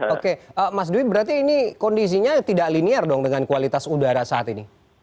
oke mas dwi berarti ini kondisinya tidak linear dong dengan kualitas udara saat ini